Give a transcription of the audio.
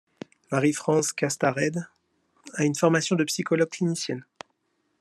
Marie-France Castarède a une formation de psychologue clinicienne.